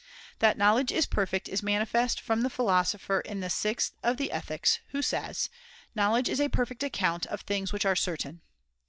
That knowledge is perfect is manifest from the Philosopher in the sixth of the Ethics, who says that ♦ knowledge is a perfect account of things which are certain.'